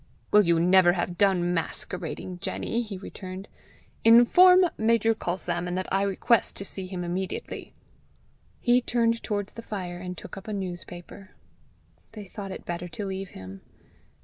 "Will you never have done masquerading, Jenny?" he returned. "Inform Major Culsalmon that I request to see him immediately." He turned towards the fire, and took up a newspaper. They thought it better to leave him.